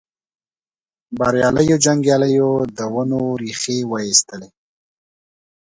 بریالیو جنګیالیو د ونو ریښې وایستلې.